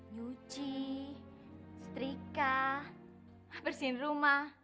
nyuci setrika bersihin rumah